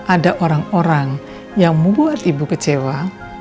ada bagian yang membuat ibu kecewa